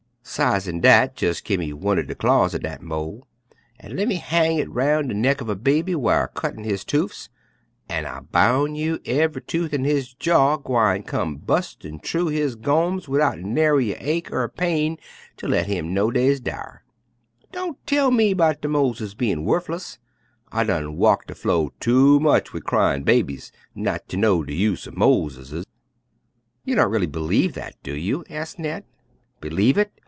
Sidesen dat, jes' gimme one'r de claws er dat mole, an' lemme hang hit roun' de neck uv a baby whar cuttin' his toofs, an' I boun' you, ev'y toof in his jaws gwine come bustin' thu his goms widout nair' a ache er a pain ter let him know dey's dar. Don't talk ter me 'bout de moleses bein' wufless! I done walk de flo' too much wid cryin' babies not ter know de use er moleses." "You don't really believe that, do you?" asked Ned. "B'lieve hit!"